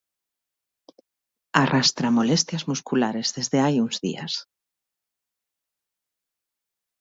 Arrastra molestias musculares desde hai uns días.